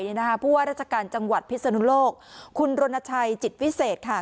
เพราะว่าราชการจังหวัดพิศนุโลกคุณรณชัยจิตวิเศษค่ะ